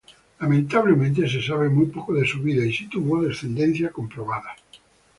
Lamentablemente se sabe muy poco de su vida y si tuvo descendencia comprobada.